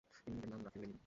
তিনি নিজের নাম রাখেন লেনিন।